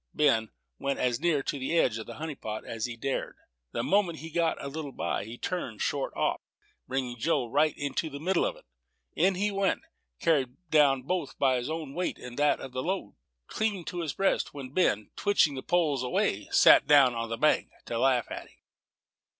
Ben went as near to the edge of the honey pot as he dared. The moment he got a little by, he turned short off, bringing Joe right into the middle of it. In he went, carried down both by his own weight and that of the load, clean to his breast, when Ben, twitching the poles away, sat down on the bank to laugh at him.